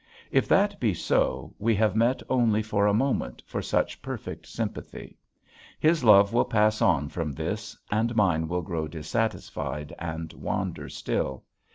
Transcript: If that be so we have met only for a moment for such perfect sympathy. His love will pass on from this and mine will grow dissatisfied and wander still.